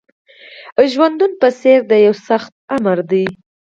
ژوندون په څېر د یوه سخت آمر دی